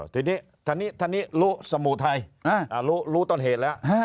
ทีนี้ท่านนี้รู้สมุทัยรู้ต้นเหตุแล้ว